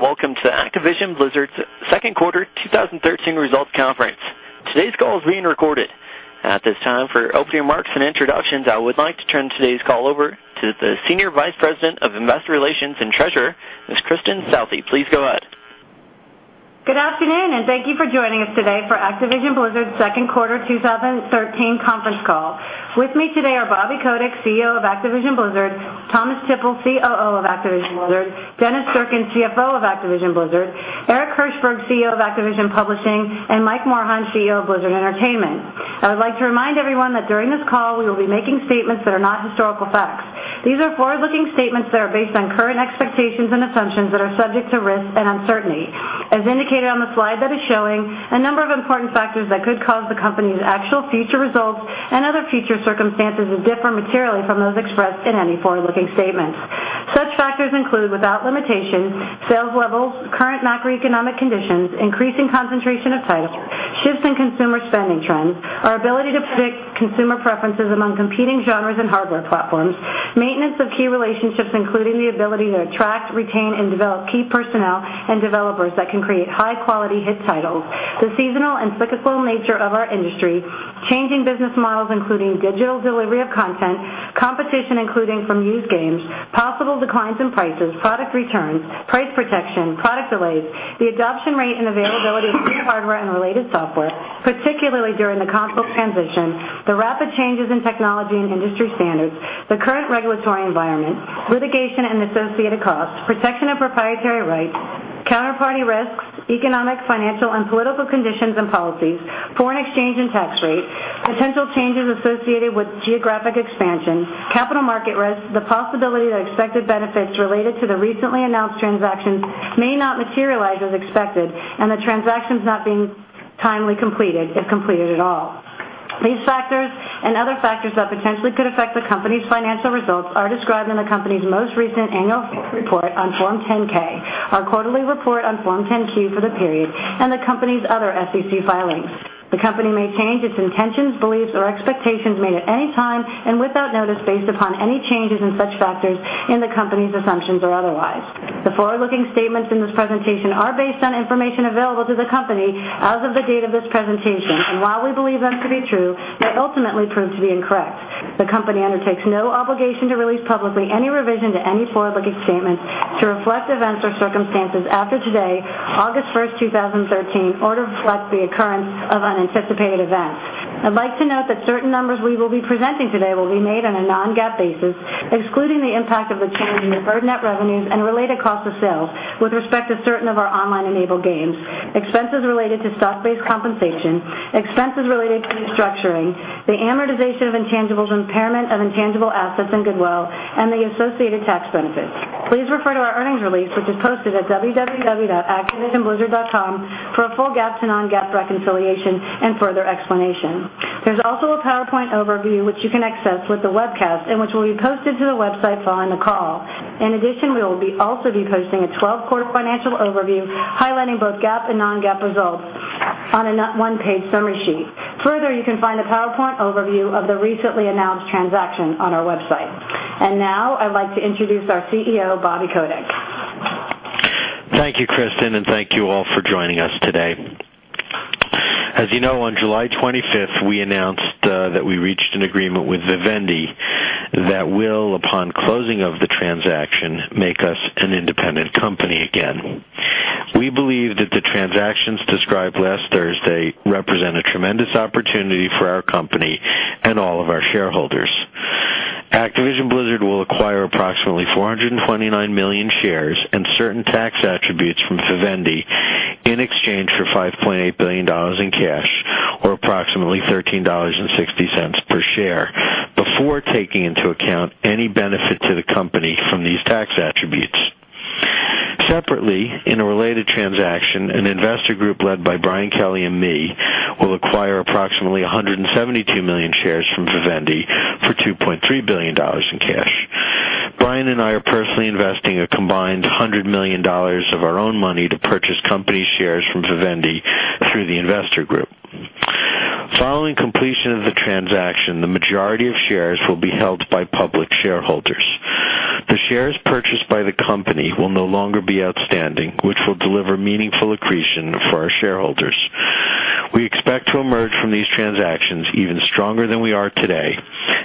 Good day, and welcome to the Activision Blizzard's second quarter 2013 results conference. Today's call is being recorded. At this time, for opening remarks and introductions, I would like to turn today's call over to the Senior Vice President of Investor Relations and Treasurer, Ms. Kristin Southey. Please go ahead. Good afternoon. Thank you for joining us today for Activision Blizzard's second quarter 2013 conference call. With me today are Bobby Kotick, CEO of Activision Blizzard, Thomas Tippl, COO of Activision Blizzard, Dennis Durkin, CFO of Activision Blizzard, Eric Hirshberg, CEO of Activision Publishing, and Mike Morhaime, CEO of Blizzard Entertainment. I would like to remind everyone that during this call, we will be making statements that are not historical facts. These are forward-looking statements that are based on current expectations and assumptions that are subject to risk and uncertainty. As indicated on the slide that is showing, a number of important factors that could cause the company's actual future results and other future circumstances to differ materially from those expressed in any forward-looking statements. Such factors include, without limitation, sales levels, current macroeconomic conditions, increasing concentration of titles, shifts in consumer spending trends, our ability to predict consumer preferences among competing genres and hardware platforms, maintenance of key relationships, including the ability to attract, retain, and develop key personnel and developers that can create high-quality hit titles, the seasonal and cyclical nature of our industry, changing business models, including digital delivery of content, competition, including from used games, possible declines in prices, product returns, price protection, product delays, the adoption rate and availability of new hardware and related software, particularly during the console transition, the rapid changes in technology and industry standards, the current regulatory environment, litigation and associated costs, protection of proprietary rights, counterparty risks, economic, financial, and political conditions and policies, foreign exchange and tax rates, potential changes associated with geographic expansion, capital market risks, the possibility that expected benefits related to the recently announced transactions may not materialize as expected, and the transactions not being timely completed, if completed at all. These factors and other factors that potentially could affect the company's financial results are described in the company's most recent annual report on Form 10-K, our quarterly report on Form 10-Q for the period, and the company's other SEC filings. The company may change its intentions, beliefs, or expectations made at any time and without notice based upon any changes in such factors in the company's assumptions or otherwise. The forward-looking statements in this presentation are based on information available to the company as of the date of this presentation, and while we believe them to be true, may ultimately prove to be incorrect. The company undertakes no obligation to release publicly any revision to any forward-looking statements to reflect events or circumstances after today, August 1st, 2013, or to reflect the occurrence of unanticipated events. I'd like to note that certain numbers we will be presenting today will be made on a non-GAAP basis, excluding the impact of the change in deferred net revenues and related cost of sales with respect to certain of our online-enabled games, expenses related to stock-based compensation, expenses related to restructuring, the amortization of intangibles, impairment of intangible assets and goodwill, and the associated tax benefits. Please refer to our earnings release, which is posted at www.activisionblizzard.com for a full GAAP to non-GAAP reconciliation and further explanation. There's also a PowerPoint overview, which you can access with the webcast and which will be posted to the website following the call. In addition, we will also be posting a 12-quarter financial overview highlighting both GAAP and non-GAAP results on a one-page summary sheet. Further, you can find the PowerPoint overview of the recently announced transaction on our website. Now I'd like to introduce our CEO, Bobby Kotick. Thank you, Kristin, thank you all for joining us today. As you know, on July 25th, we announced that we reached an agreement with Vivendi that will, upon closing of the transaction, make us an independent company again. We believe that the transactions described last Thursday represent a tremendous opportunity for our company and all of our shareholders. Activision Blizzard will acquire approximately 429 million shares and certain tax attributes from Vivendi in exchange for $5.8 billion in cash or approximately $13.60 per share before taking into account any benefit to the company from these tax attributes. Separately, in a related transaction, an investor group led by Brian Kelly and me will acquire approximately 172 million shares from Vivendi for $2.3 billion in cash. Brian and I are personally investing a combined $100 million of our own money to purchase company shares from Vivendi through the investor group. Following completion of the transaction, the majority of shares will be held by public shareholders. The shares purchased by the company will no longer be outstanding, which will deliver meaningful accretion for our shareholders. We expect to emerge from these transactions even stronger than we are today,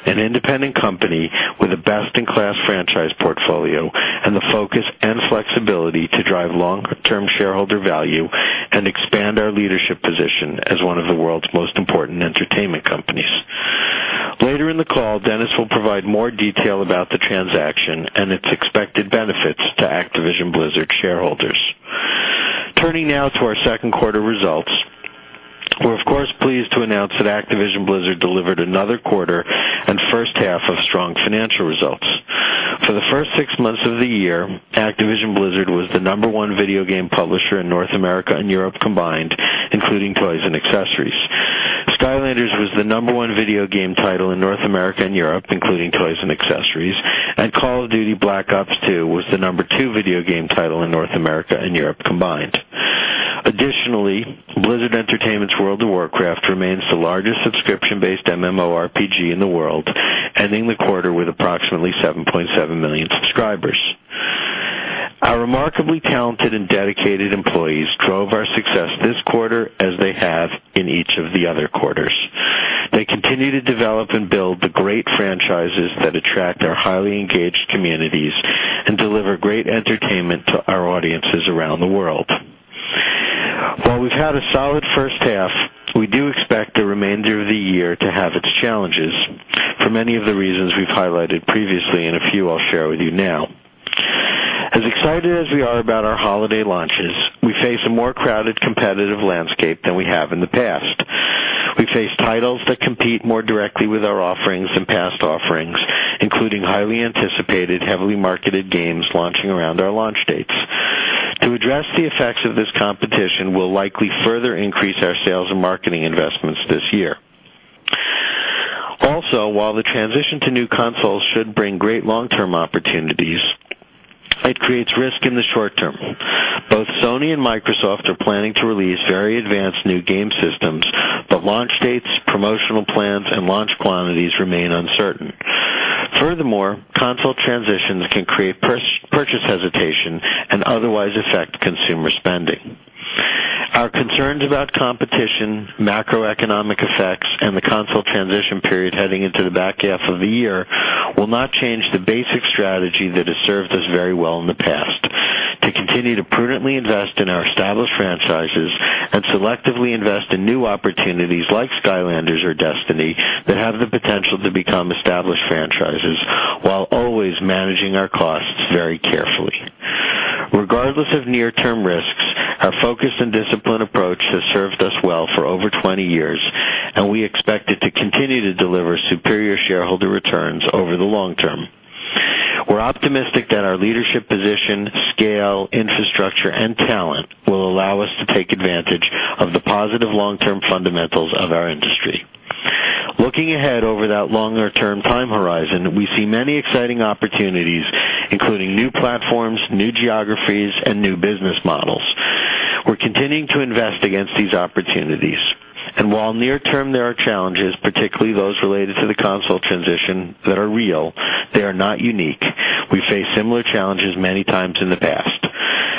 an independent company with a best-in-class franchise portfolio and the focus and flexibility to drive long-term shareholder value and expand our leadership position as one of the world's most important entertainment companies. Later in the call, Dennis will provide more detail about the transaction and its expected benefits to Activision Blizzard shareholders. Turning now to our second quarter results, we're of course pleased to announce that Activision Blizzard delivered another quarter and first half of strong financial results. For the first six months of the year, Activision Blizzard was the number one video game publisher in North America and Europe combined, including toys and accessories. Skylanders was the number one video game title in North America and Europe, including toys and accessories, and Call of Duty: Black Ops II was the number two video game title in North America and Europe combined. Additionally, Blizzard Entertainment's World of Warcraft remains the largest subscription-based MMORPG in the world, ending the quarter with approximately 7.7 million subscribers. Our remarkably talented and dedicated employees drove our success this quarter, as they have in each of the other quarters. They continue to develop and build the great franchises that attract our highly engaged communities and deliver great entertainment to our audiences around the world. While we've had a solid first half, we do expect the remainder of the year to have its challenges for many of the reasons we've highlighted previously and a few I'll share with you now. As excited as we are about our holiday launches, we face a more crowded, competitive landscape than we have in the past. We face titles that compete more directly with our offerings than past offerings, including highly anticipated, heavily marketed games launching around our launch dates. To address the effects of this competition will likely further increase our sales and marketing investments this year. Also, while the transition to new consoles should bring great long-term opportunities, it creates risk in the short term. Both Sony and Microsoft are planning to release very advanced new game systems, but launch dates, promotional plans, and launch quantities remain uncertain. Furthermore, console transitions can create purchase hesitation and otherwise affect consumer spending. Our concerns about competition, macroeconomic effects, and the console transition period heading into the back half of the year will not change the basic strategy that has served us very well in the past. To continue to prudently invest in our established franchises and selectively invest in new opportunities like Skylanders or Destiny that have the potential to become established franchises while always managing our costs very carefully. Regardless of near-term risks, our focused and disciplined approach has served us well for over 20 years, and we expect it to continue to deliver superior shareholder returns over the long term. We're optimistic that our leadership position, scale, infrastructure, and talent will allow us to take advantage of the positive long-term fundamentals of our industry. Looking ahead over that longer-term time horizon, we see many exciting opportunities, including new platforms, new geographies, and new business models. We're continuing to invest against these opportunities. While near-term there are challenges, particularly those related to the console transition that are real, they are not unique. We faced similar challenges many times in the past.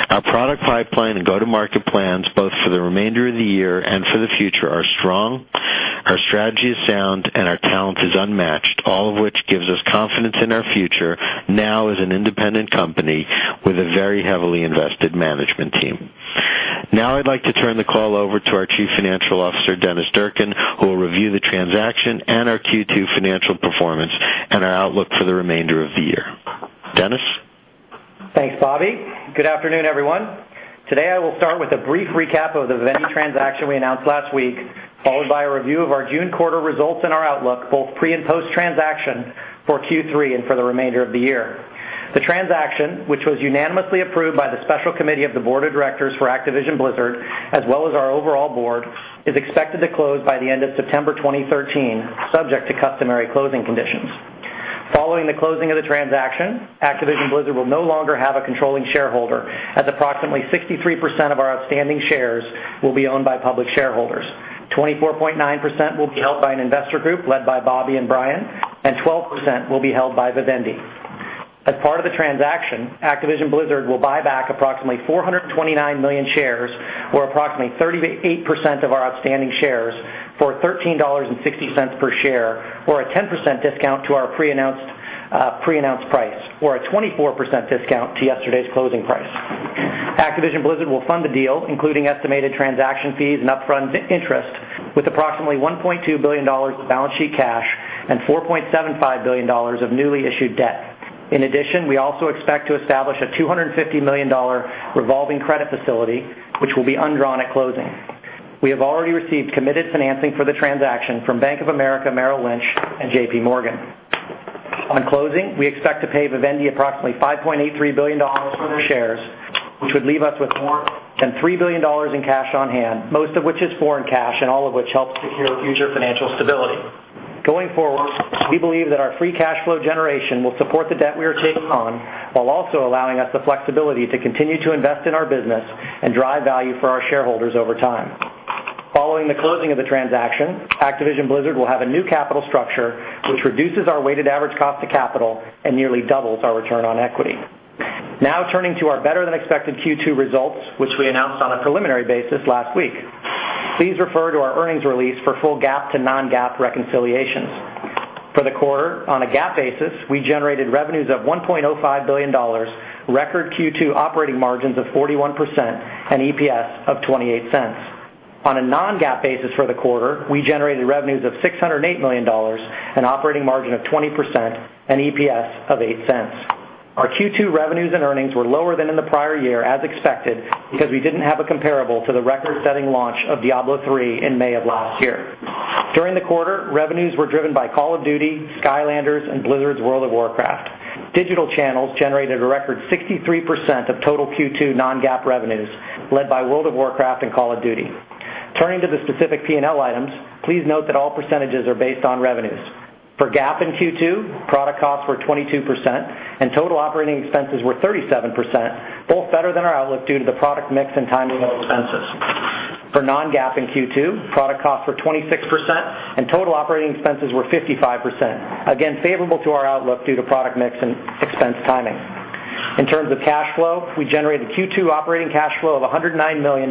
Our product pipeline and go-to-market plans, both for the remainder of the year and for the future, are strong. Our strategy is sound, and our talent is unmatched, all of which gives us confidence in our future now as an independent company with a very heavily invested management team. I'd like to turn the call over to our Chief Financial Officer, Dennis Durkin, who will review the transaction and our Q2 financial performance and our outlook for the remainder of the year. Dennis? Thanks, Bobby. Good afternoon, everyone. Today, I will start with a brief recap of the Vivendi transaction we announced last week, followed by a review of our June quarter results and our outlook, both pre- and post-transaction for Q3 and for the remainder of the year. The transaction, which was unanimously approved by the special committee of the board of directors for Activision Blizzard, as well as our overall board, is expected to close by the end of September 2013, subject to customary closing conditions. Following the closing of the transaction, Activision Blizzard will no longer have a controlling shareholder, as approximately 63% of our outstanding shares will be owned by public shareholders. 24.9% will be held by an investor group led by Bobby and Brian, and 12% will be held by Vivendi. As part of the transaction, Activision Blizzard will buy back approximately 429 million shares or approximately 38% of our outstanding shares for $13.60 per share or a 10% discount to our pre-announced price or a 24% discount to yesterday's closing price. Activision Blizzard will fund the deal, including estimated transaction fees and upfront interest, with approximately $1.2 billion balance sheet cash and $4.75 billion of newly issued debt. In addition, we also expect to establish a $250 million revolving credit facility, which will be undrawn at closing. We have already received committed financing for the transaction from Bank of America, Merrill Lynch, and JP Morgan. On closing, we expect to pay Vivendi approximately $5.83 billion for their shares, which would leave us with more than $3 billion in cash on hand, most of which is foreign cash and all of which helps secure future financial stability. Going forward, we believe that our free cash flow generation will support the debt we are taking on while also allowing us the flexibility to continue to invest in our business and drive value for our shareholders over time. Following the closing of the transaction, Activision Blizzard will have a new capital structure, which reduces our weighted average cost to capital and nearly doubles our return on equity. Turning to our better-than-expected Q2 results, which we announced on a preliminary basis last week. Please refer to our earnings release for full GAAP to non-GAAP reconciliations. For the quarter, on a GAAP basis, we generated revenues of $1.05 billion, record Q2 operating margins of 41%, and EPS of $0.28. On a non-GAAP basis for the quarter, we generated revenues of $608 million and operating margin of 20% and EPS of $0.08. Our Q2 revenues and earnings were lower than in the prior year, as expected, because we didn't have a comparable to the record-setting launch of Diablo III in May of last year. During the quarter, revenues were driven by Call of Duty, Skylanders, and Blizzard's World of Warcraft. Digital channels generated a record 63% of total Q2 non-GAAP revenues, led by World of Warcraft and Call of Duty. Turning to the specific P&L items, please note that all percentages are based on revenues. For GAAP in Q2, product costs were 22% and total operating expenses were 37%, both better than our outlook due to the product mix and timing of expenses. For non-GAAP in Q2, product costs were 26% and total operating expenses were 55%, again favorable to our outlook due to product mix and expense timing. In terms of cash flow, we generated Q2 operating cash flow of $109 million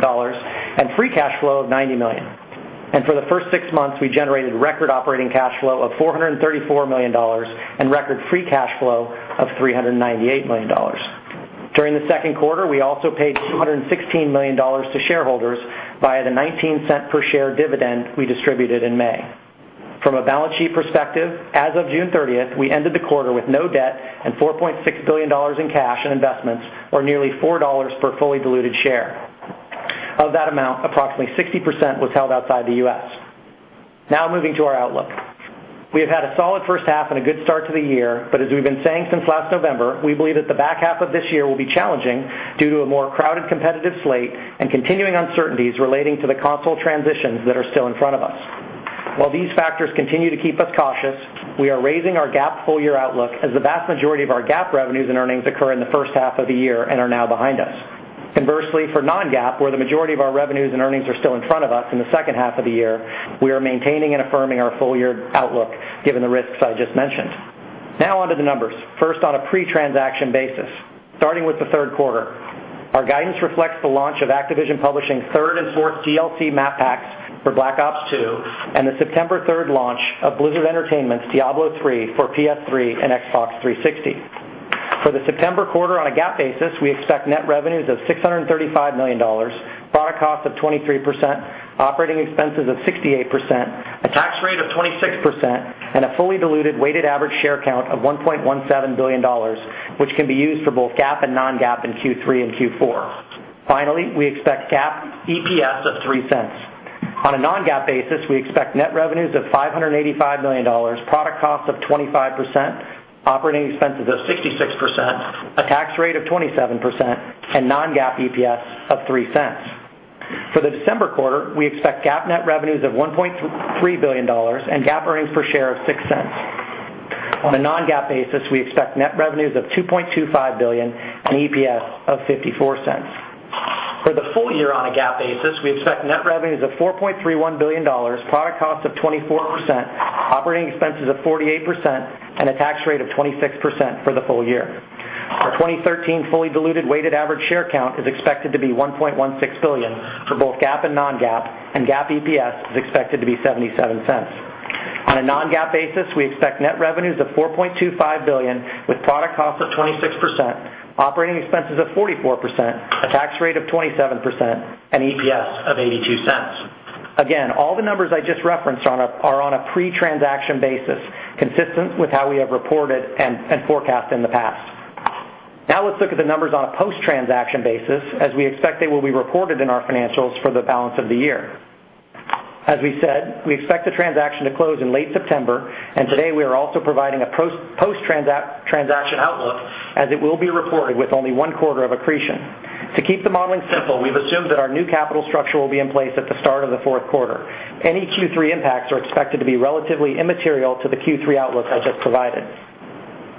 and free cash flow of $90 million. For the first six months, we generated record operating cash flow of $434 million and record free cash flow of $398 million. During the second quarter, we also paid $216 million to shareholders via the $0.19 per share dividend we distributed in May. From a balance sheet perspective, as of June 30th, we ended the quarter with no debt and $4.6 billion in cash and investments, or nearly $4 per fully diluted share. Of that amount, approximately 60% was held outside the U.S. Moving to our outlook. We have had a solid first half and a good start to the year, as we've been saying since last November, we believe that the back half of this year will be challenging due to a more crowded competitive slate and continuing uncertainties relating to the console transitions that are still in front of us. While these factors continue to keep us cautious, we are raising our GAAP full-year outlook, as the vast majority of our GAAP revenues and earnings occur in the first half of the year, and are now behind us. Inversely, for non-GAAP, where the majority of our revenues and earnings are still in front of us in the second half of the year, we are maintaining and affirming our full-year outlook given the risks I just mentioned. On to the numbers. First, on a pre-transaction basis. Starting with the third quarter, our guidance reflects the launch of Activision Publishing third and fourth DLC map packs for "Black Ops II" and the September 3rd launch of Blizzard Entertainment's "Diablo III" for PS3 and Xbox 360. For the September quarter on a GAAP basis, we expect net revenues of $635 million, product costs of 23%, operating expenses of 68%, a tax rate of 26%, and a fully diluted weighted average share count of $1.17 billion, which can be used for both GAAP and non-GAAP in Q3 and Q4. Finally, we expect GAAP EPS of $0.03. On a non-GAAP basis, we expect net revenues of $585 million, product costs of 25%, operating expenses of 66%, a tax rate of 27%, and non-GAAP EPS of $0.03. For the December quarter, we expect GAAP net revenues of $1.3 billion and GAAP earnings per share of $0.06. On a non-GAAP basis, we expect net revenues of $2.25 billion and EPS of $0.54. For the full year on a GAAP basis, we expect net revenues of $4.31 billion, product costs of 24%, operating expenses of 48%, and a tax rate of 26% for the full year. Our 2013 fully diluted weighted average share count is expected to be 1.16 billion for both GAAP and non-GAAP, and GAAP EPS is expected to be $0.77. On a non-GAAP basis, we expect net revenues of $4.25 billion with product costs of 26%, operating expenses of 44%, a tax rate of 27%, and EPS of $0.82. All the numbers I just referenced are on a pre-transaction basis, consistent with how we have reported and forecast in the past. Let's look at the numbers on a post-transaction basis, as we expect they will be reported in our financials for the balance of the year. As we said, we expect the transaction to close in late September, and today we are also providing a post-transaction outlook as it will be reported with only one quarter of accretion. To keep the modeling simple, we've assumed that our new capital structure will be in place at the start of the fourth quarter. Any Q3 impacts are expected to be relatively immaterial to the Q3 outlook I just provided.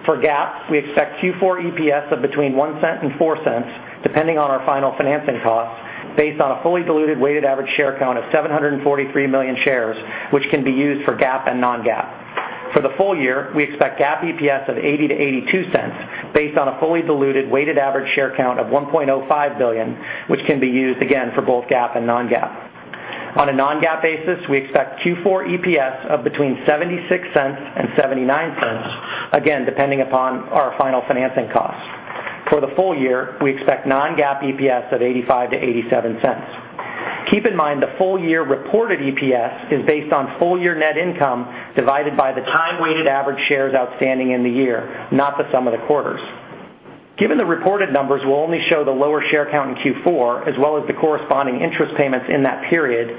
For GAAP, we expect Q4 EPS of between $0.01 and $0.04, depending on our final financing costs, based on a fully diluted weighted average share count of 743 million shares, which can be used for GAAP and non-GAAP. For the full year, we expect GAAP EPS of $0.80 to $0.82 based on a fully diluted weighted average share count of 1.05 billion, which can be used again for both GAAP and non-GAAP. On a non-GAAP basis, we expect Q4 EPS of between $0.76 and $0.79, again, depending upon our final financing costs. For the full year, we expect non-GAAP EPS of $0.85 to $0.87. Keep in mind the full-year reported EPS is based on full-year net income divided by the time-weighted average shares outstanding in the year, not the sum of the quarters. Given the reported numbers will only show the lower share count in Q4, as well as the corresponding interest payments in that period,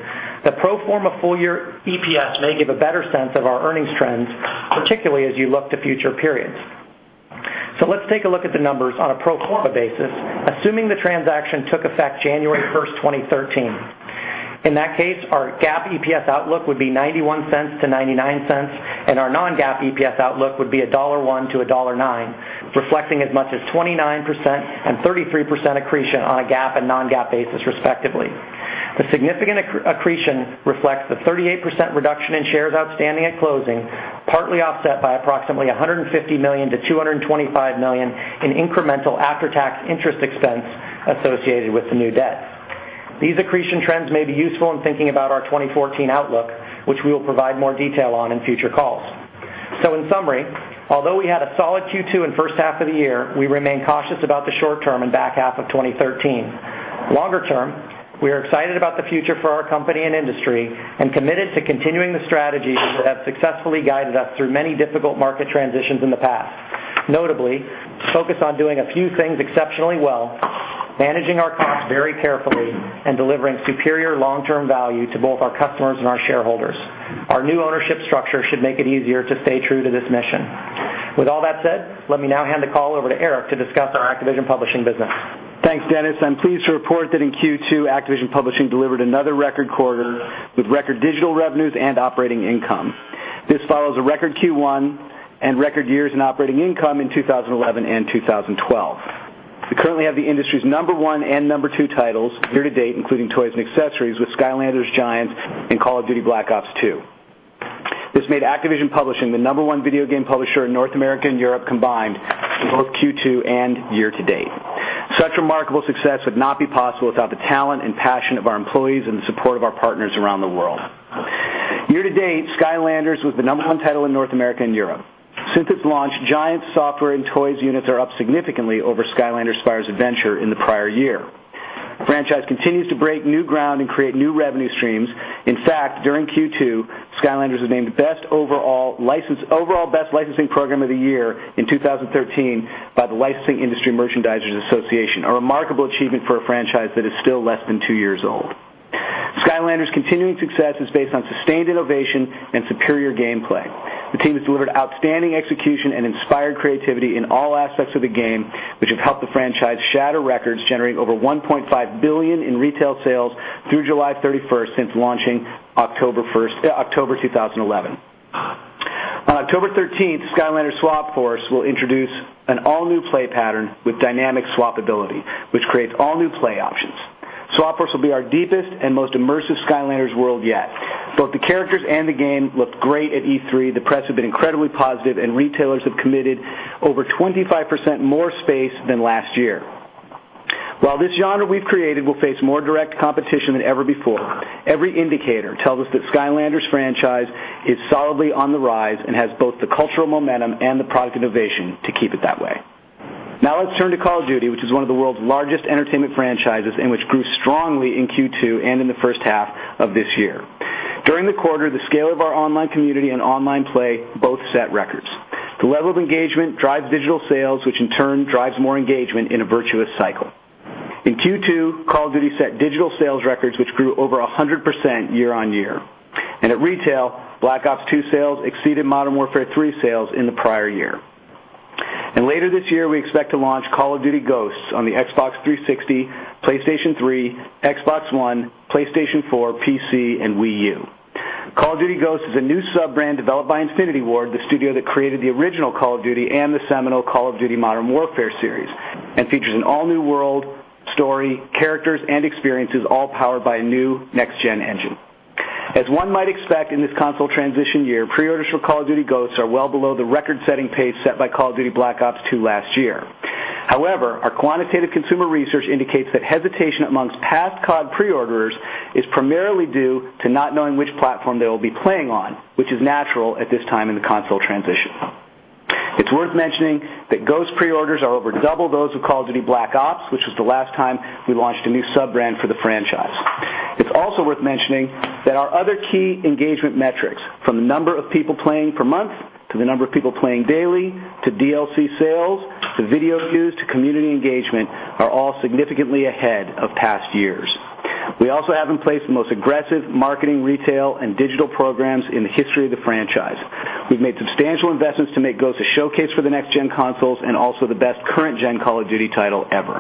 the pro forma full-year EPS may give a better sense of our earnings trends, particularly as you look to future periods. Let's take a look at the numbers on a pro forma basis, assuming the transaction took effect January 1, 2013. In that case, our GAAP EPS outlook would be $0.91 to $0.99, and our non-GAAP EPS outlook would be $1.01 to $1.09, reflecting as much as 29% and 33% accretion on a GAAP and non-GAAP basis, respectively. The significant accretion reflects the 38% reduction in shares outstanding at closing, partly offset by approximately $150 million to $225 million in incremental after-tax interest expense associated with the new debt. These accretion trends may be useful in thinking about our 2014 outlook, which we will provide more detail on in future calls. In summary, although we had a solid Q2 and first half of the year, we remain cautious about the short term and back half of 2013. Longer term, we are excited about the future for our company and industry and committed to continuing the strategies that have successfully guided us through many difficult market transitions in the past. Notably, focused on doing a few things exceptionally well, managing our costs very carefully, and delivering superior long-term value to both our customers and our shareholders. Our new ownership structure should make it easier to stay true to this mission. With all that said, let me now hand the call over to Eric to discuss our Activision Publishing business. Thanks, Dennis. I'm pleased to report that in Q2, Activision Publishing delivered another record quarter with record digital revenues and operating income. This follows a record Q1 and record years in operating income in 2011 and 2012. We currently have the industry's number one and number two titles year-to-date, including toys and accessories, with Skylanders, Giants, and Call of Duty: Black Ops II. This made Activision Publishing the number one video game publisher in North America and Europe combined for both Q2 and year-to-date. Such remarkable success would not be possible without the talent and passion of our employees and the support of our partners around the world. Year-to-date, Skylanders was the number one title in North America and Europe. Since its launch, Giants software and toys units are up significantly over Skylanders: Spyro's Adventure in the prior year. The franchise continues to break new ground and create new revenue streams. In fact, during Q2, Skylanders was named overall Best Licensing Program of the Year in 2013 by the Licensing Industry Merchandisers' Association, a remarkable achievement for a franchise that is still less than two years old. Skylanders' continuing success is based on sustained innovation and superior gameplay. The team has delivered outstanding execution and inspired creativity in all aspects of the game, which have helped the franchise shatter records, generating over $1.5 billion in retail sales through July 31st since launching October 2011. On October 13th, Skylanders: SWAP Force will introduce an all-new play pattern with dynamic swap ability, which creates all-new play options. SWAP Force will be our deepest and most immersive Skylanders world yet. Both the characters and the game looked great at E3, the press have been incredibly positive, and retailers have committed over 25% more space than last year. While this genre we've created will face more direct competition than ever before, every indicator tells us that Skylanders franchise is solidly on the rise and has both the cultural momentum and the product innovation to keep it that way. Let's turn to Call of Duty, which is one of the world's largest entertainment franchises and which grew strongly in Q2 and in the first half of this year. During the quarter, the scale of our online community and online play both set records. The level of engagement drives digital sales, which in turn drives more engagement in a virtuous cycle. In Q2, Call of Duty set digital sales records, which grew over 100% year-on-year. At retail, Black Ops II sales exceeded Modern Warfare 3 sales in the prior year. Later this year, we expect to launch Call of Duty: Ghosts on the Xbox 360, PlayStation 3, Xbox One, PlayStation 4, PC, and Wii U. Call of Duty: Ghosts is a new sub-brand developed by Infinity Ward, the studio that created the original Call of Duty and the seminal Call of Duty: Modern Warfare series, and features an all-new world, story, characters, and experiences, all powered by a new next-gen engine. As one might expect in this console transition year, pre-orders for Call of Duty: Ghosts are well below the record-setting pace set by Call of Duty: Black Ops II last year. However, our quantitative consumer research indicates that hesitation amongst past CoD pre-orders is primarily due to not knowing which platform they will be playing on, which is natural at this time in the console transition. It's worth mentioning that Ghosts pre-orders are over double those of Call of Duty: Black Ops, which was the last time we launched a new sub-brand for the franchise. It's also worth mentioning that our other key engagement metrics, from the number of people playing per month to the number of people playing daily, to DLC sales, to video views, to community engagement, are all significantly ahead of past years. We also have in place the most aggressive marketing, retail, and digital programs in the history of the franchise. We've made substantial investments to make Ghosts a showcase for the next-gen consoles and also the best current-gen Call of Duty title ever.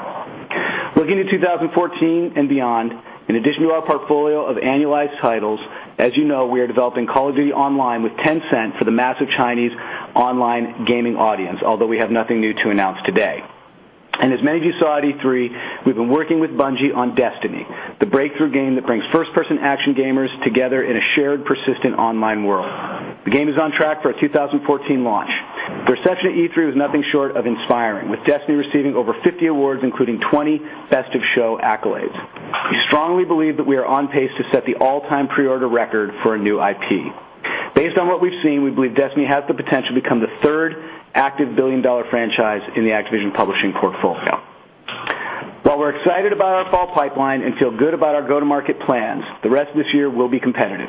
Looking to 2014 and beyond, in addition to our portfolio of annualized titles, as you know, we are developing Call of Duty Online with Tencent for the massive Chinese online gaming audience, although we have nothing new to announce today. As many of you saw at E3, we've been working with Bungie on Destiny, the breakthrough game that brings first-person action gamers together in a shared, persistent online world. The game is on track for a 2014 launch. The reception at E3 was nothing short of inspiring, with Destiny receiving over 50 awards, including 20 Best of Show accolades. We strongly believe that we are on pace to set the all-time pre-order record for a new IP. Based on what we've seen, we believe Destiny has the potential to become the third active billion-dollar franchise in the Activision Publishing portfolio. While we're excited about our fall pipeline and feel good about our go-to-market plans, the rest of this year will be competitive.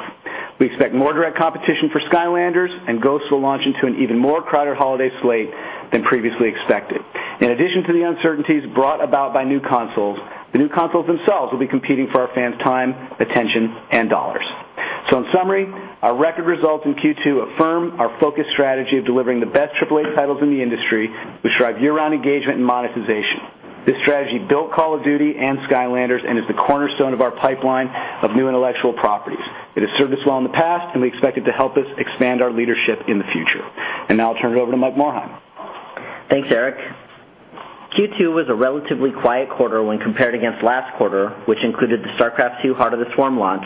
We expect more direct competition for Skylanders, and Ghosts will launch into an even more crowded holiday slate than previously expected. In addition to the uncertainties brought about by new consoles, the new consoles themselves will be competing for our fans' time, attention, and dollars. So in summary, our record results in Q2 affirm our focus strategy of delivering the best AAA titles in the industry, which drive year-round engagement and monetization. This strategy built Call of Duty and Skylanders and is the cornerstone of our pipeline of new intellectual properties. It has served us well in the past, and we expect it to help us expand our leadership in the future. Now I'll turn it over to Mike Morhaime. Thanks, Eric. Q2 was a relatively quiet quarter when compared against last quarter, which included the StarCraft II: Heart of the Swarm launch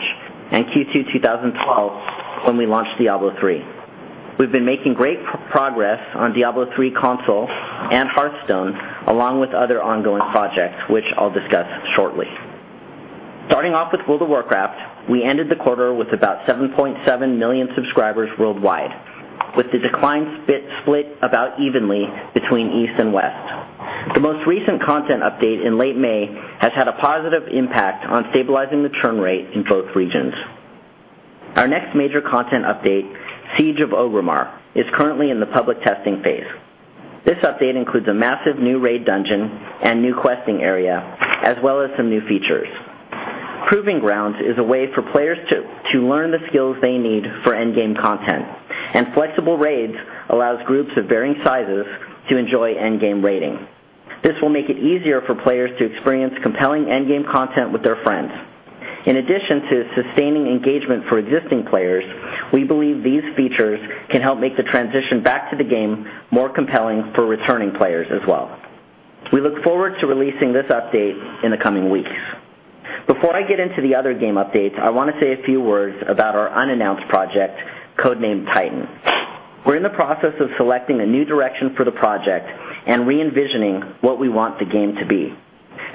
and Q2 2012 when we launched Diablo III. We've been making great progress on Diablo III console and Hearthstone, along with other ongoing projects, which I'll discuss shortly. Starting off with World of Warcraft, we ended the quarter with about 7.7 million subscribers worldwide, with the decline split about evenly between East and West. The most recent content update in late May has had a positive impact on stabilizing the churn rate in both regions. Our next major content update, Siege of Orgrimmar, is currently in the public testing phase. This update includes a massive new raid dungeon and new questing area, as well as some new features. Proving Grounds is a way for players to learn the skills they need for endgame content, and flexible raids allows groups of varying sizes to enjoy endgame raiding. This will make it easier for players to experience compelling endgame content with their friends. In addition to sustaining engagement for existing players, we believe these features can help make the transition back to the game more compelling for returning players as well. We look forward to releasing this update in the coming weeks. Before I get into the other game updates, I want to say a few words about our unannounced project, code-named Titan. We're in the process of selecting a new direction for the project and re-envisioning what we want the game to be.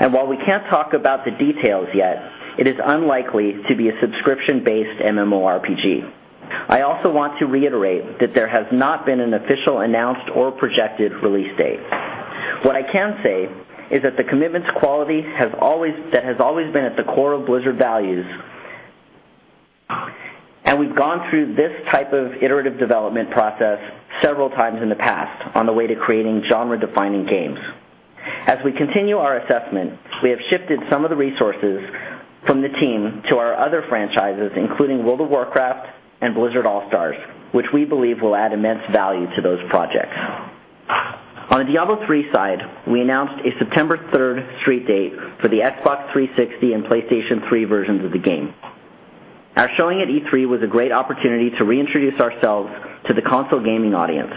While we can't talk about the details yet, it is unlikely to be a subscription-based MMORPG. I also want to reiterate that there has not been an official announced or projected release date. What I can say is that the commitment to quality that has always been at the core of Blizzard values, we've gone through this type of iterative development process several times in the past on the way to creating genre-defining games. As we continue our assessment, we have shifted some of the resources from the team to our other franchises, including World of Warcraft and Blizzard All-Stars, which we believe will add immense value to those projects. On the Diablo III side, we announced a September 3rd street date for the Xbox 360 and PlayStation 3 versions of the game. Our showing at E3 was a great opportunity to reintroduce ourselves to the console gaming audience.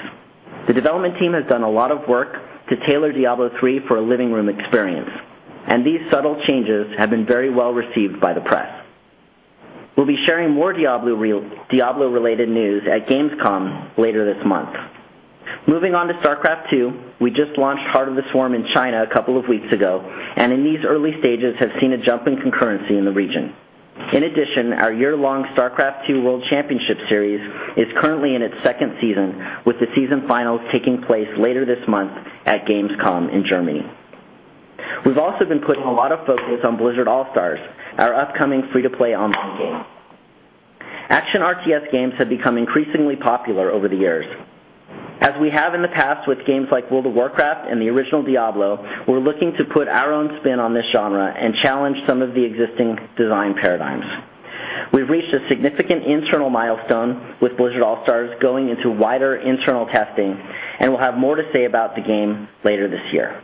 The development team has done a lot of work to tailor Diablo III for a living room experience, these subtle changes have been very well-received by the press. We'll be sharing more Diablo-related news at Gamescom later this month. Moving on to StarCraft II, we just launched Heart of the Swarm in China a couple of weeks ago, in these early stages have seen a jump in concurrency in the region. In addition, our year-long StarCraft II World Championship Series is currently in its second season, with the season finals taking place later this month at Gamescom in Germany. We've also been putting a lot of focus on Blizzard All-Stars, our upcoming free-to-play online game. Action RTS games have become increasingly popular over the years. As we have in the past with games like World of Warcraft and the original Diablo, we're looking to put our own spin on this genre and challenge some of the existing design paradigms. We've reached a significant internal milestone with Blizzard All-Stars going into wider internal testing, we'll have more to say about the game later this year.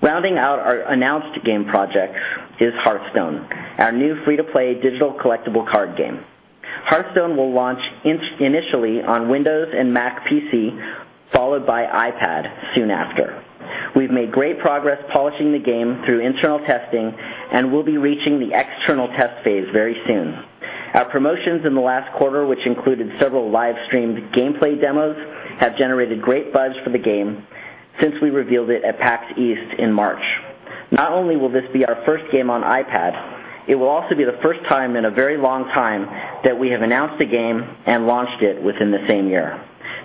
Rounding out our announced game projects is Hearthstone, our new free-to-play digital collectible card game. Hearthstone will launch initially on Windows and Mac PC, followed by iPad soon after. We've made great progress polishing the game through internal testing, we'll be reaching the external test phase very soon. Our promotions in the last quarter, which included several live-streamed gameplay demos, have generated great buzz for the game since we revealed it at PAX East in March. Not only will this be our first game on iPad, it will also be the first time in a very long time that we have announced a game and launched it within the same year.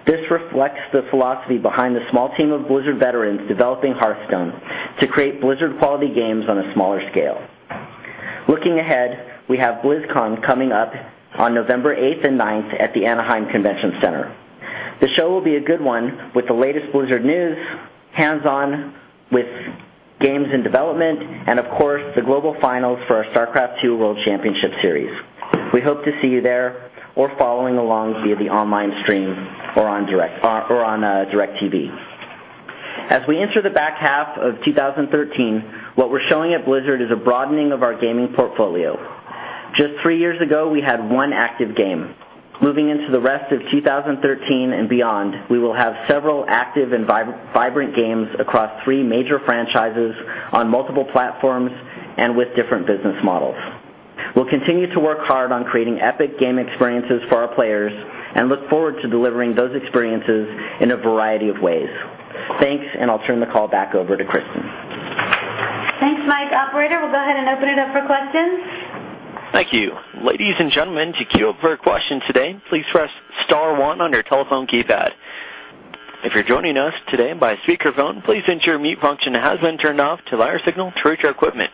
This reflects the philosophy behind the small team of Blizzard veterans developing Hearthstone to create Blizzard-quality games on a smaller scale. Looking ahead, we have BlizzCon coming up on November eighth and ninth at the Anaheim Convention Center. The show will be a good one with the latest Blizzard news, hands-on with games in development, and of course, the global finals for our StarCraft II World Championship Series. We hope to see you there or following along via the online stream or on DirecTV. As we enter the back half of 2013, what we're showing at Blizzard is a broadening of our gaming portfolio. Just three years ago, we had one active game. Moving into the rest of 2013 and beyond, we will have several active and vibrant games across three major franchises on multiple platforms and with different business models. We'll continue to work hard on creating epic game experiences for our players and look forward to delivering those experiences in a variety of ways. Thanks, I'll turn the call back over to Kristin. Thanks, Mike. Operator, we'll go ahead and open it up for questions. Thank you. Ladies and gentlemen, to queue up for a question today, please press *1 on your telephone keypad. If you're joining us today by speakerphone, please ensure mute function has been turned off to allow your signal to reach our equipment.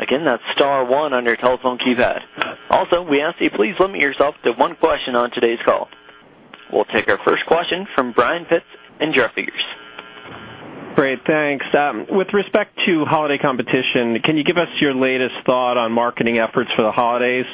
Again, that's *1 on your telephone keypad. Also, we ask that you please limit yourself to one question on today's call. We'll take our first question from Brian Pitz in Jefferies. Great, thanks. With respect to holiday competition, can you give us your latest thought on marketing efforts for the holidays?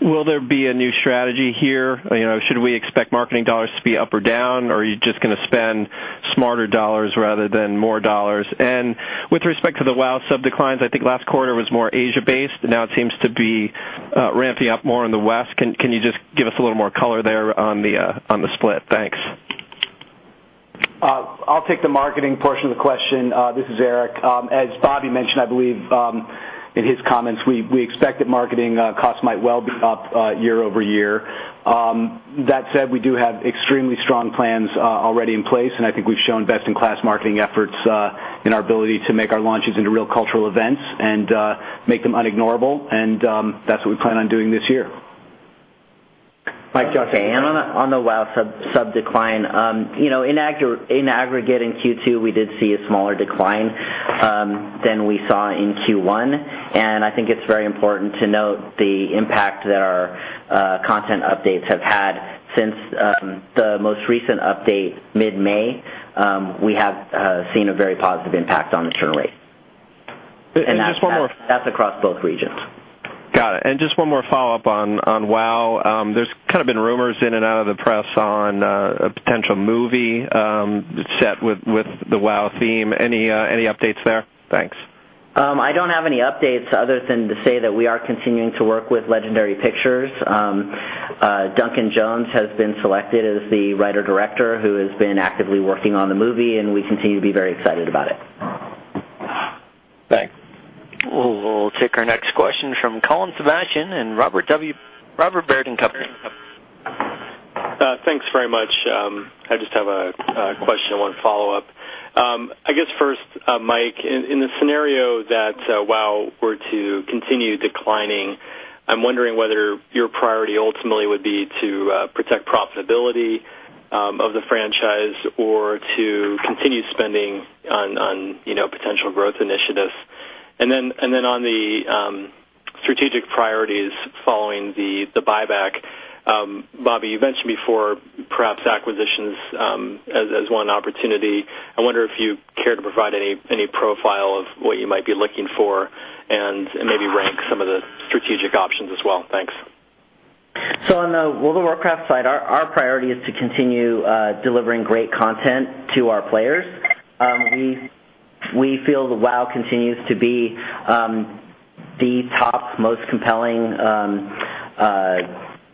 Will there be a new strategy here? Should we expect marketing dollars to be up or down, or are you just going to spend smarter dollars rather than more dollars? With respect to the WoW sub declines, I think last quarter was more Asia-based. Now it seems to be ramping up more in the West. Can you just give us a little more color there on the split? Thanks. I'll take the marketing portion of the question. This is Eric. As Bobby mentioned, I believe, in his comments, we expect that marketing costs might well be up year-over-year. That said, we do have extremely strong plans already in place, and I think we've shown best-in-class marketing efforts in our ability to make our launches into real cultural events and make them unignorable. That's what we plan on doing this year. Mike. Okay, on the WoW sub decline, in aggregate in Q2, we did see a smaller decline than we saw in Q1. I think it's very important to note the impact that our content updates have had since the most recent update, mid-May. We have seen a very positive impact on the churn rate. Just one more. That's across both regions. Got it. Just one more follow-up on WoW. There's kind of been rumors in and out of the press on a potential movie set with the WoW theme. Any updates there? Thanks. I don't have any updates other than to say that we are continuing to work with Legendary Pictures. Duncan Jones has been selected as the writer-director who has been actively working on the movie, we continue to be very excited about it. Thanks. We'll take our next question from Colin Sebastian in Robert W. Baird & Co. Thanks very much. I just have a question, one follow-up. I guess first, Mike, in the scenario that WoW were to continue declining, I'm wondering whether your priority ultimately would be to protect profitability of the franchise or to continue spending on potential growth initiatives. On the strategic priorities following the buyback, Bobby, you mentioned before perhaps acquisitions as one opportunity. I wonder if you'd care to provide any profile of what you might be looking for and maybe rank some of the strategic options as well. Thanks. On the World of Warcraft side, our priority is to continue delivering great content to our players. We feel the WoW continues to be the top, most compelling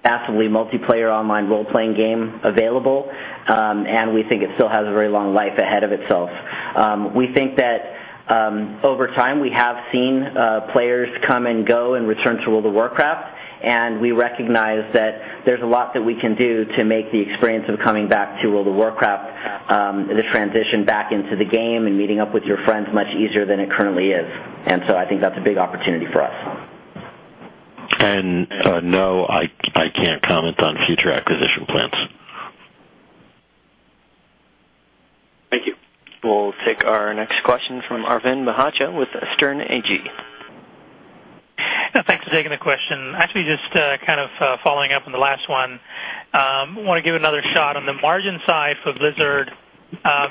massively multiplayer online role-playing game available. We think it still has a very long life ahead of itself. We think that over time, we have seen players come and go and return to World of Warcraft, we recognize that there's a lot that we can do to make the experience of coming back to World of Warcraft, the transition back into the game and meeting up with your friends much easier than it currently is. I think that's a big opportunity for us. No, I can't comment on future acquisition plans. Thank you. We'll take our next question from Arvind Bhatia with Sterne Agee. Yeah, thanks for taking the question. Actually, just kind of following up on the last one. I want to give it another shot on the margin side for Blizzard.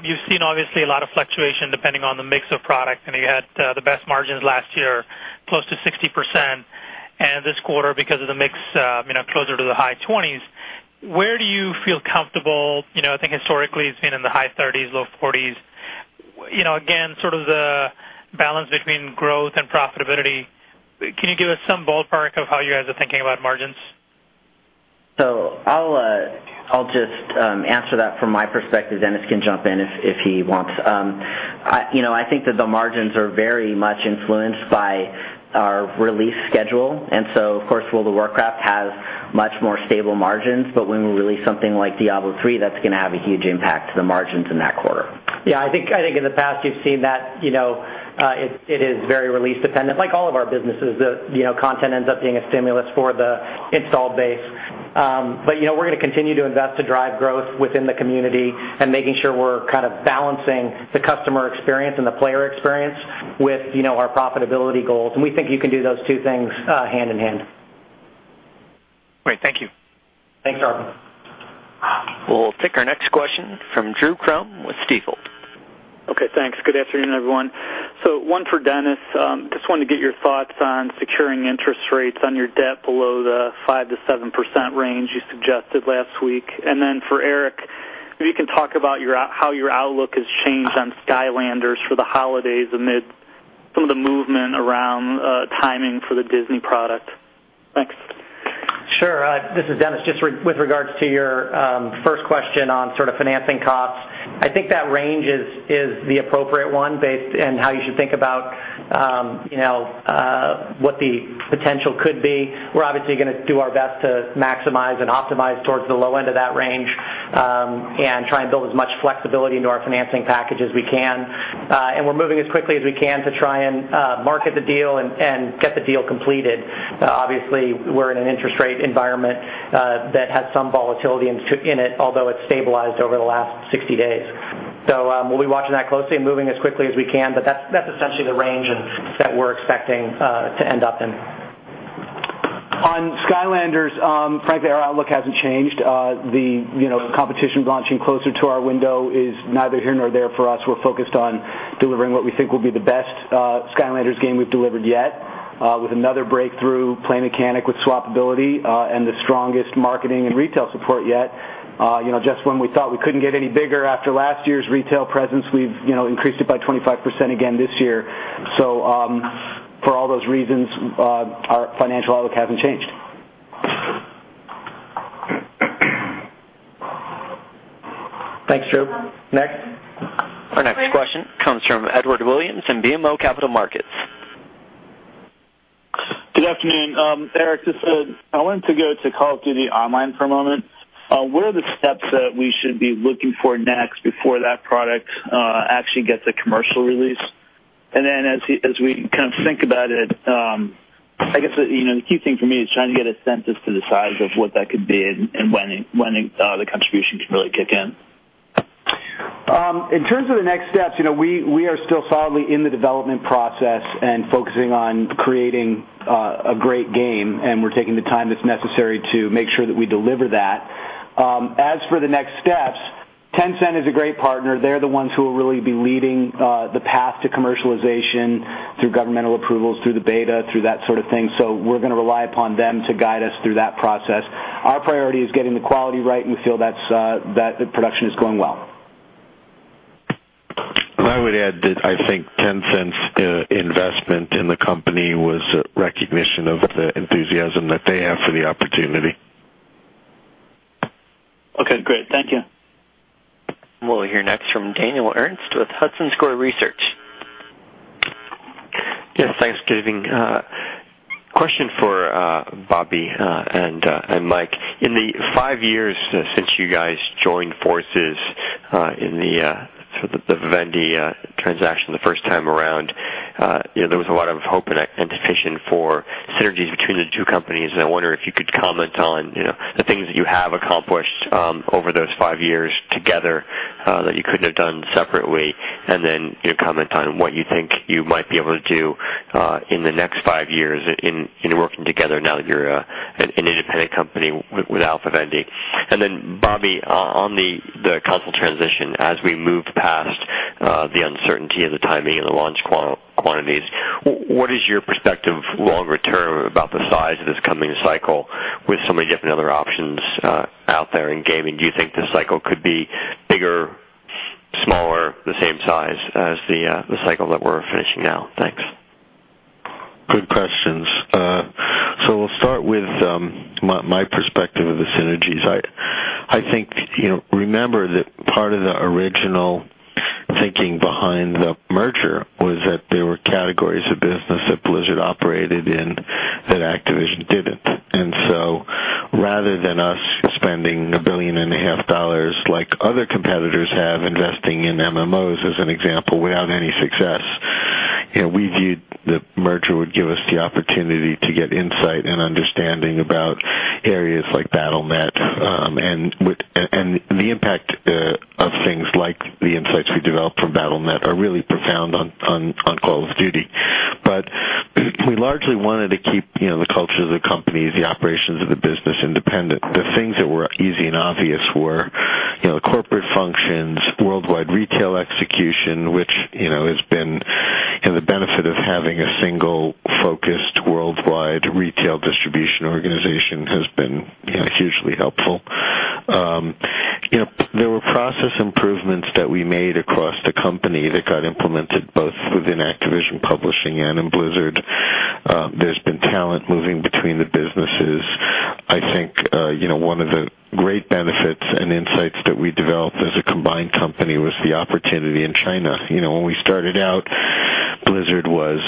You've seen obviously a lot of fluctuation depending on the mix of product, and you had the best margins last year, close to 60%. This quarter, because of the mix, closer to the high 20s. Where do you feel comfortable? I think historically it's been in the high 30s, low 40s. Again, sort of the balance between growth and profitability. Can you give us some ballpark of how you guys are thinking about margins? I'll just answer that from my perspective, Dennis can jump in if he wants. I think that the margins are very much influenced by our release schedule, of course, World of Warcraft has much more stable margins, but when we release something like Diablo III, that's going to have a huge impact to the margins in that quarter. Yeah, I think in the past you've seen that it is very release dependent, like all of our businesses. The content ends up being a stimulus for the install base. We're going to continue to invest to drive growth within the community and making sure we're kind of balancing the customer experience and the player experience with our profitability goals, we think you can do those two things hand in hand. Great. Thank you. Thanks, Arvind. We'll take our next question from Drew Crum with Stifel. Okay, thanks. Good afternoon, everyone. One for Dennis. Just wanted to get your thoughts on securing interest rates on your debt below the 5%-7% range you suggested last week. For Eric, if you can talk about how your outlook has changed on Skylanders for the holidays amid some of the movement around timing for the Disney product. Thanks. Sure. This is Dennis. Just with regards to your first question on sort of financing costs, I think that range is the appropriate one based on how you should think about what the potential could be. We're obviously going to do our best to maximize and optimize towards the low end of that range, and try and build as much flexibility into our financing package as we can. We're moving as quickly as we can to try and market the deal and get the deal completed. Obviously, we're in an interest rate environment that has some volatility in it, although it's stabilized over the last 60 days. We'll be watching that closely and moving as quickly as we can. That's essentially the range that we're expecting to end up in. On Skylanders, frankly, our outlook hasn't changed. The competition launching closer to our window is neither here nor there for us. We're focused on delivering what we think will be the best Skylanders game we've delivered yet with another breakthrough play mechanic with swapability, and the strongest marketing and retail support yet. Just when we thought we couldn't get any bigger after last year's retail presence, we've increased it by 25% again this year. For all those reasons, our financial outlook hasn't changed. Thanks, Drew. Next. Our next question comes from Edward Williams in BMO Capital Markets. Good afternoon. Eric, I wanted to go to Call of Duty Online for a moment. What are the steps that we should be looking for next before that product actually gets a commercial release? As we kind of think about it, I guess the key thing for me is trying to get a sense as to the size of what that could be and when the contribution can really kick in. In terms of the next steps, we are still solidly in the development process and focusing on creating a great game, and we're taking the time that's necessary to make sure that we deliver that. As for the next steps Tencent is a great partner. They're the ones who will really be leading the path to commercialization through governmental approvals, through the beta, through that sort of thing. We're going to rely upon them to guide us through that process. Our priority is getting the quality right, and we feel that the production is going well. I would add that I think Tencent's investment in the company was a recognition of the enthusiasm that they have for the opportunity. Okay, great. Thank you. We'll hear next from Daniel Ernst with Hudson Square Research. Yes, thanks for giving. Question for Bobby and Mike. In the five years since you guys joined forces in the Vivendi transaction the first time around, there was a lot of hope and anticipation for synergies between the two companies. I wonder if you could comment on the things that you have accomplished over those five years together that you couldn't have done separately, then comment on what you think you might be able to do in the next five years in working together now that you're an independent company with Activision Blizzard. Bobby, on the console transition, as we move past the uncertainty of the timing of the launch quantities, what is your perspective longer term about the size of this coming cycle with so many different other options out there in gaming? Do you think this cycle could be bigger, smaller, the same size as the cycle that we're finishing now? Thanks. Good questions. We'll start with my perspective of the synergies. Remember that part of the original thinking behind the merger was that there were categories of business that Blizzard operated in that Activision didn't. Rather than us spending a billion and a half dollars like other competitors have, investing in MMOs, as an example, without any success, we viewed the merger would give us the opportunity to get insight and understanding about areas like Battle.net. The impact of things like the insights we developed from Battle.net are really profound on Call of Duty. We largely wanted to keep the culture of the companies, the operations of the business independent. The things that were easy and obvious were corporate functions, worldwide retail execution, which has been the benefit of having a single focused worldwide retail distribution organization has been hugely helpful. There were process improvements that we made across the company that got implemented both within Activision Publishing and in Blizzard. There's been talent moving between the businesses. I think one of the great benefits and insights that we developed as a combined company was the opportunity in China. When we started out, Blizzard was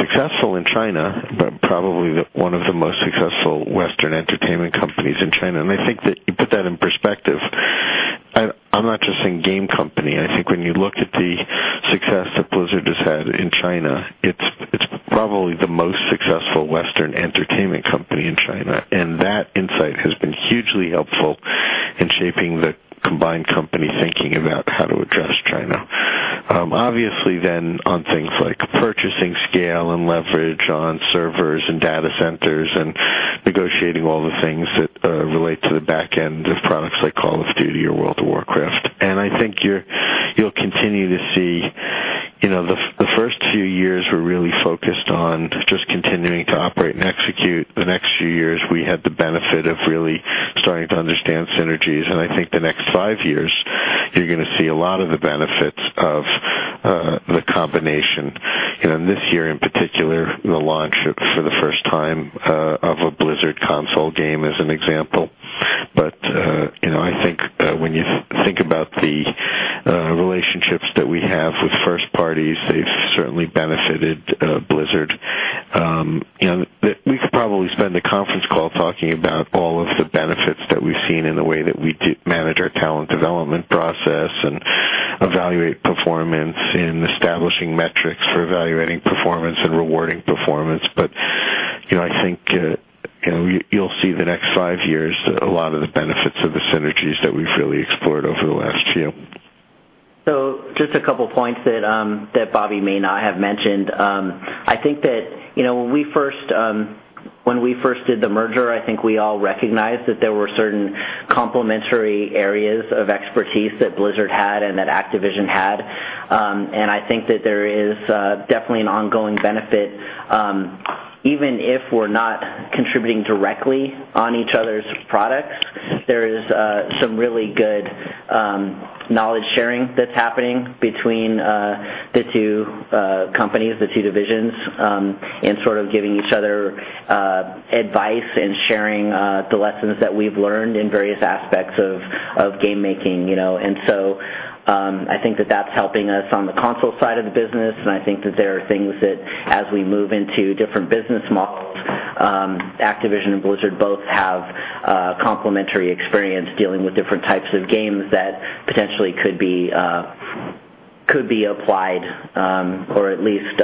successful in China, but probably one of the most successful Western entertainment companies in China. I think that you put that in perspective, I'm not just saying game company. I think when you look at the success that Blizzard has had in China, it's probably the most successful Western entertainment company in China. That insight has been hugely helpful in shaping the combined company thinking about how to address China. Obviously then on things like purchasing scale and leverage on servers and data centers and negotiating all the things that relate to the back end of products like Call of Duty or World of Warcraft. I think you'll continue to see the first few years were really focused on just continuing to operate and execute. The next few years, we had the benefit of really starting to understand synergies, and I think the next five years, you're going to see a lot of the benefits of the combination. This year in particular, the launch for the first time of a Blizzard console game as an example. I think when you think about the relationships that we have with first parties, they've certainly benefited Blizzard. We could probably spend a conference call talking about all of the benefits that we've seen in the way that we manage our talent development process and evaluate performance in establishing metrics for evaluating performance and rewarding performance. I think you'll see the next five years, a lot of the benefits of the synergies that we've really explored over the last few. Just a couple points that Bobby may not have mentioned. I think that when we first did the merger, I think we all recognized that there were certain complementary areas of expertise that Blizzard had and that Activision had. I think that there is definitely an ongoing benefit. Even if we're not contributing directly on each other's products, there is some really good knowledge sharing that's happening between the two companies, the two divisions, and sort of giving each other advice and sharing the lessons that we've learned in various aspects of game making. I think that that's helping us on the console side of the business, and I think that there are things that as we move into different business models, Activision and Blizzard both have a complementary experience dealing with different types of games that potentially could be applied or at least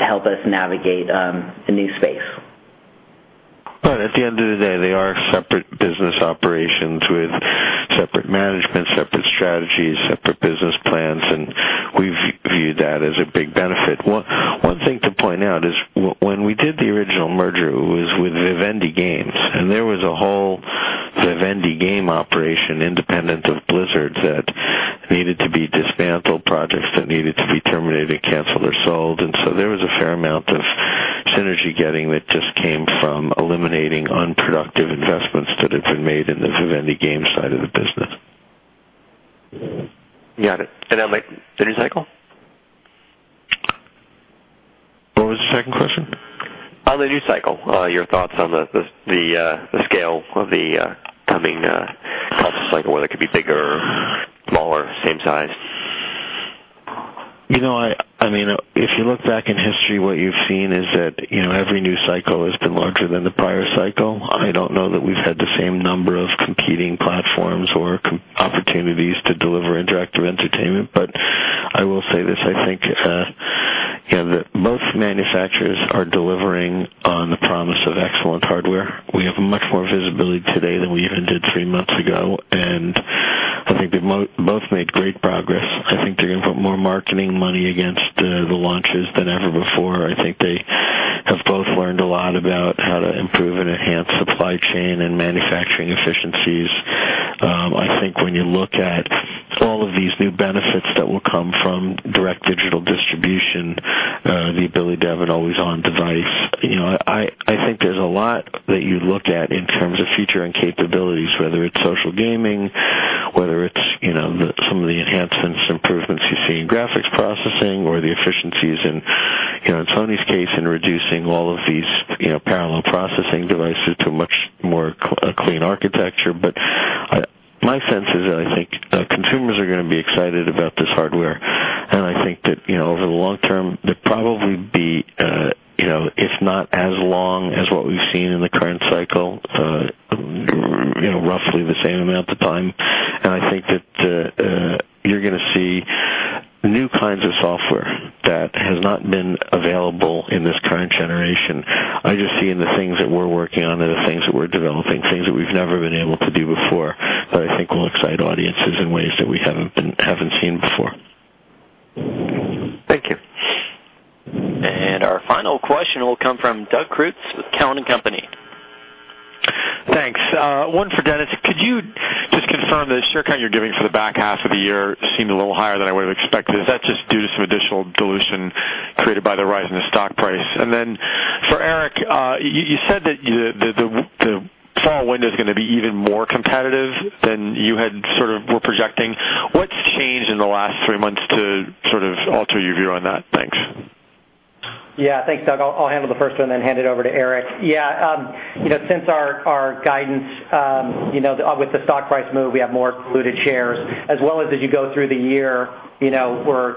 help us navigate a new space. At the end of the day, they are separate business operations with separate management, separate strategies, separate business plans, and View that as a big benefit. One thing to point out is when we did the original merger, it was with Vivendi Games, and there was a whole Vivendi Games operation independent of Blizzard that needed to be dismantled, projects that needed to be terminated, canceled, or sold. There was a fair amount of synergy getting that just came from eliminating unproductive investments that had been made in the Vivendi Games side of the business. Got it. On the new cycle? What was the second question? On the new cycle, your thoughts on the scale of the coming console cycle, whether it could be bigger, smaller, same size. If you look back in history, what you've seen is that every new cycle has been larger than the prior cycle. I don't know that we've had the same number of competing platforms or opportunities to deliver interactive entertainment. I will say this, I think that most manufacturers are delivering on the promise of excellent hardware. We have much more visibility today than we even did three months ago, and I think they both made great progress. I think they're going to put more marketing money against the launches than ever before. I think they have both learned a lot about how to improve and enhance supply chain and manufacturing efficiencies. I think when you look at all of these new benefits that will come from direct digital distribution, the ability to have an always-on device, I think there's a lot that you look at in terms of feature and capabilities, whether it's social gaming, whether it's some of the enhancements, improvements you see in graphics processing or the efficiencies in Sony's case in reducing all of these parallel processing devices to a much more clean architecture. My sense is that I think consumers are going to be excited about this hardware, and I think that over the long term, there'll probably be, if not as long as what we've seen in the current cycle, roughly the same amount of time. I think that you're going to see new kinds of software that has not been available in this current generation. I just see in the things that we're working on and the things that we're developing, things that we've never been able to do before, that I think will excite audiences in ways that we haven't seen before. Thank you. Our final question will come from Doug Creutz with Cowen and Company. Thanks. One for Dennis. Could you just confirm the share count you're giving for the back half of the year seemed a little higher than I would've expected. Is that just due to some additional dilution created by the rise in the stock price? For Eric, you said that the fall window's going to be even more competitive than you had sort of were projecting. What's changed in the last three months to sort of alter your view on that? Thanks. Yeah. Thanks, Doug. I'll handle the first one then hand it over to Eric. Yeah. Since our guidance with the stock price move, we have more diluted shares as well as you go through the year, we're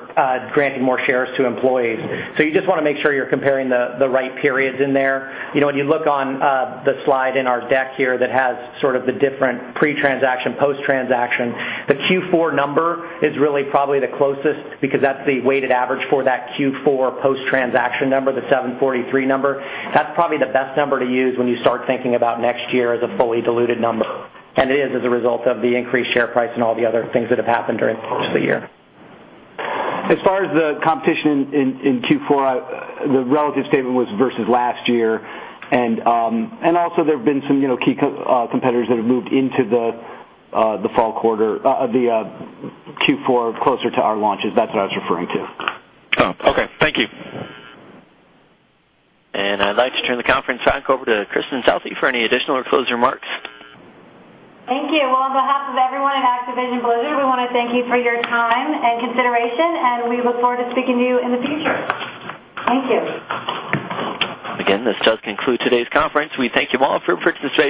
granting more shares to employees. You just want to make sure you're comparing the right periods in there. When you look on the slide in our deck here that has sort of the different pre-transaction, post-transaction, the Q4 number is really probably the closest because that's the weighted average for that Q4 post-transaction number, the 743 number. That's probably the best number to use when you start thinking about next year as a fully diluted number. It is as a result of the increased share price and all the other things that have happened during the course of the year. As far as the competition in Q4, the relative statement was versus last year. Also there have been some key competitors that have moved into the Q4 closer to our launches. That's what I was referring to. Oh, okay. Thank you. I'd like to turn the conference back over to Kristin Southey for any additional or closing remarks. Thank you. Well, on behalf of everyone at Activision Blizzard, we want to thank you for your time and consideration, we look forward to speaking to you in the future. Thank you. Again, this does conclude today's conference. We thank you all for participating.